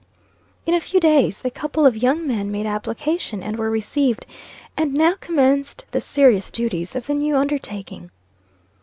In a few days, a couple of young men made application, and were received, and now commenced the serious duties of the new undertaking.